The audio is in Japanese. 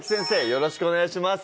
よろしくお願いします